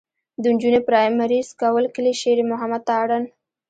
د نجونو پرائمري سکول کلي شېر محمد تارڼ.